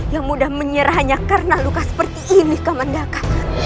yang mudah menyerahnya karena luka seperti ini kemendaka